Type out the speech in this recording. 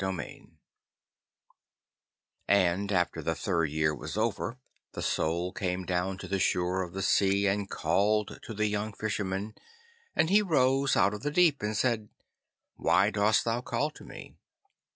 And after the third year was over, the Soul came down to the shore of the sea, and called to the young Fisherman, and he rose out of the deep and said, 'Why dost thou call to me?